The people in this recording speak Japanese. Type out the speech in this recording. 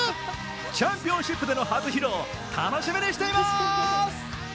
チャンピオンシップでの初披露、楽しみにしてまーす。